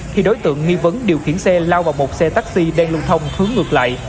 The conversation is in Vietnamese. khi đối tượng nghi vấn điều khiển xe lao vào một xe taxi đen lung thông hướng ngược lại